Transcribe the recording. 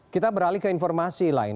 kita beralih ke informasi lain